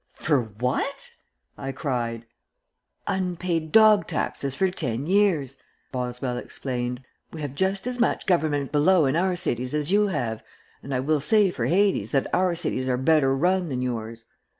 "For what?" I cried. "Unpaid dog taxes for ten years," Boswell explained. "We have just as much government below in our cities as you have, and I will say for Hades that our cities are better run than yours."